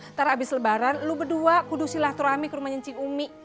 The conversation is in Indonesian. ntar abis lebaran lo berdua kudusilah turami ke rumah nyencing umi